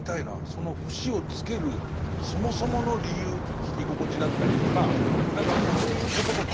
その節をつけるそもそもの理由聴き心地だったりとか何かそういうこととかあるのかしら。